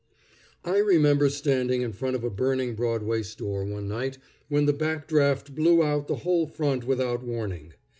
I remember standing in front of a burning Broadway store, one night, when the back draft blew out the whole front without warning.